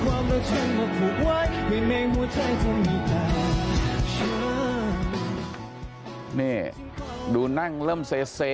ความรักฉันก็ถูกไว้ให้ในหัวใจเธอมีใจเนี่ยดูนั่งเริ่มเซเซ